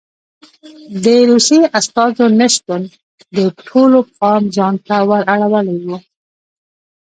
د روسیې استازو نه شتون د ټولو پام ځان ته ور اړولی و.